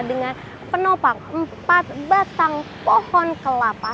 dengan penopang empat batang pohon kelapa